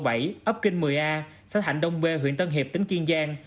ấp kinh một mươi a xã thạnh đông bê huyện tân hiệp tỉnh kiên giang